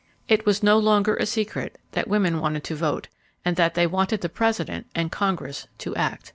It was no longer a secret that women wanted to vote and that they wanted the President and Congress to act.